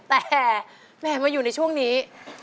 แต่แหมมาอยู่ในช่วงนี้